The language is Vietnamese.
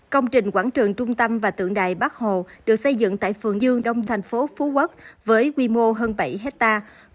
công trình quảng trường trung tâm và tượng đài bắc hồ được xây dựng tại phường dương đông thành phố phú quốc với quy mô hơn bảy hectare